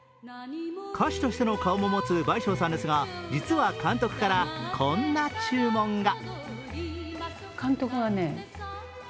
歌手としての顔も持つ倍賞さんですが実は監督からこんな注文が。